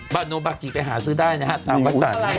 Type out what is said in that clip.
บ้านโบคล์บัคกี้ไปหาซื้อได้นะฮะตามก็ต่าง